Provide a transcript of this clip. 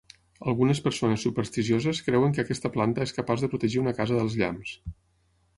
Algunes persones supersticioses creuen que aquesta planta és capaç de protegir una casa dels llamps.